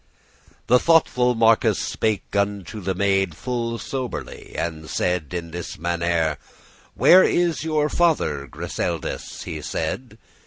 The thoughtful marquis spake unto the maid Full soberly, and said in this mannere: "Where is your father, Griseldis?" he said.